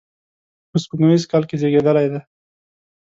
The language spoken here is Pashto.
په سپوږمیز کال کې زیږېدلی دی.